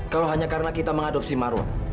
kalau hanya karena kita mengadopsi marwah